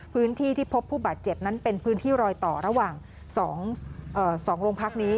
พื้นที่ที่พบผู้บาดเจ็บนั้นเป็นพื้นที่รอยต่อระหว่าง๒โรงพักนี้